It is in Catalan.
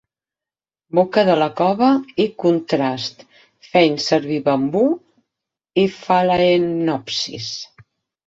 boca de la cova" i "contrast" feien servir bambú i phalaenopsis.